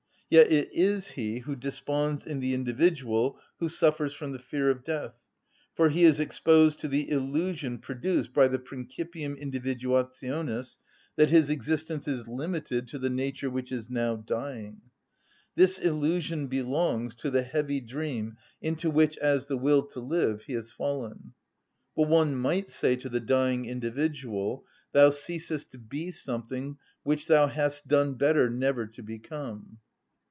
Yet it is he who desponds in the individual who suffers from the fear of death, for he is exposed to the illusion produced by the principium individuationis that his existence is limited to the nature which is now dying. This illusion belongs to the heavy dream into which, as the will to live, he has fallen. But one might say to the dying individual: "Thou ceasest to be something which thou hadst done better never to become."